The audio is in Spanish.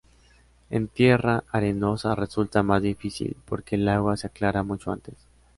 En tierra arenosa resulta más difícil porque el agua se aclara mucho antes.